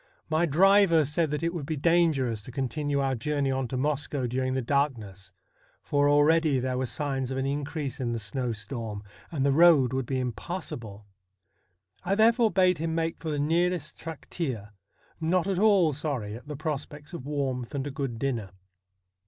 My driver said that it would be dangerous to continue our journey on to Moscow during the darkness, for already there were signs of an increase in the snowstorm, and the road would be impassable. I therefore bade him make for the nearest trakteer, not at all sorry at the prospects of warmth and a good dinner.